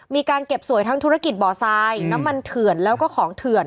มีการเก็บสวยทั้งธุรกิจบ่อทรายน้ำมันเถื่อนแล้วก็ของเถื่อน